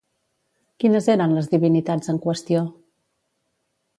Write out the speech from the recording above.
Quines eren les divinitats en qüestió?